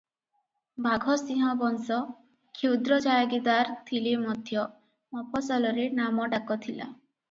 ବାଘସିଂହ ବଂଶ କ୍ଷୁଦ୍ର ଜାୟଗିରିଦାର ଥିଲେ ମଧ୍ୟ ମଫସଲରେ ନାମ ଡାକ ଥିଲା ।